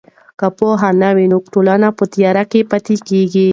که پوهه نه وي نو ټولنه په تیاره کې پاتې کیږي.